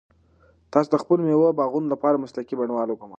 تاسو د خپلو مېوو د باغونو لپاره مسلکي بڼوال وګمارئ.